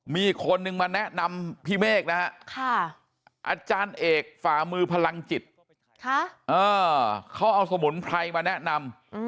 มีอีกคนนึงมาแนะนำพี่เมฆนะฮะอาจารย์เอกฝ่ามือพลังจิตเขาเอาสมุนไพรมาแนะนำ